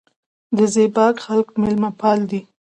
د زیباک خلک میلمه پال دي